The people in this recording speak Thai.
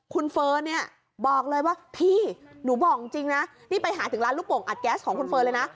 คุณเฟิร์นเนี่ยบอกเลยว่าพี่หนูบอกจริงนะนี่ไปหาถึงร้านลูกโป่งอัดแก๊สของคุณเฟิร์นเลยนะ